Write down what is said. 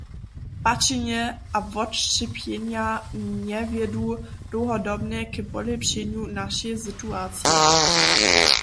Pačenja a wotšćěpjenja njewjedu dołhodobnje k polěpšenju našeje situacije.